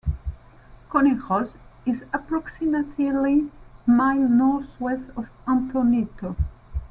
Conejos is approximately a mile northwest of Antonito.